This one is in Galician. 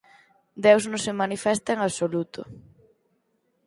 Deus non se manifesta en absoluto.